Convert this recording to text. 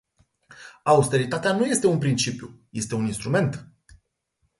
Austeritatea nu este un principiu, este un instrument.